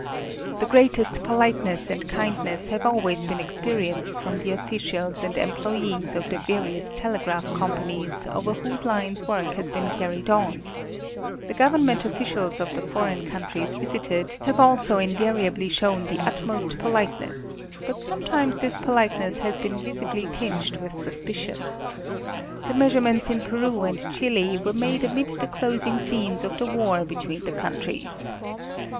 The greatest politeness and kindness have always been expe rienced from the officials and employees of the various telegraph companies over whose lines work has been carried on. The government officials of the foreign countries visited, have also 26 National Geographic Magazine. invariably shown the utmost politeness, but sometimes this polite ness has been visibly tinged with suspicion. The measurements in Peru and Chili were made amid the closing scenes of the war between the countries.